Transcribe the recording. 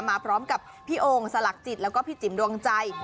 มาพร้อมกับพี่โอ่งสลักจิตแล้วก็พี่จิ๋มดวงใจ